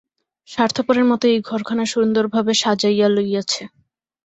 স্বার্থপরের মতো এই ঘরখানা সুন্দরভাবে সাজাইয়া লইয়াছে।